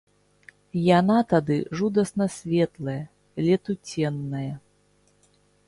Яна тады жудасна светлая, летуценная.